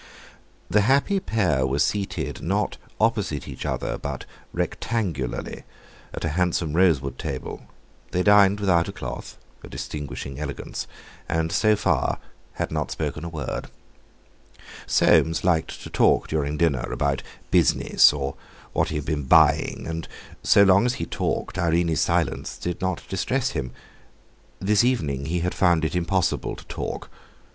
The happy pair were seated, not opposite each other, but rectangularly, at the handsome rosewood table; they dined without a cloth—a distinguishing elegance—and so far had not spoken a word. Soames liked to talk during dinner about business, or what he had been buying, and so long as he talked Irene's silence did not distress him. This evening he had found it impossible to talk.